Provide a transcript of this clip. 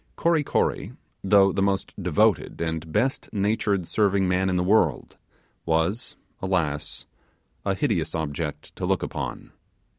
Kory Kory, though the most devoted and best natured serving man in the world, was, alas! a hideous object to look upon.